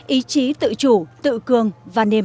ý chí tự chủ tự cường và nền